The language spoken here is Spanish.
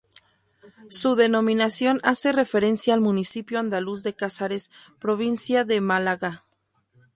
Su denominación hace referencia al municipio andaluz de Casares, provincia de Málaga.